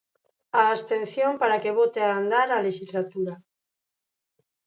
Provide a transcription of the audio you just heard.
A abstención para que bote a andar a lexislatura.